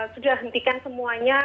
sudah hentikan semuanya